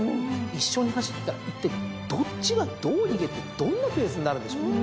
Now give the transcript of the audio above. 一緒に走ってたらいったいどっちがどう逃げてどんなペースになるんでしょうね。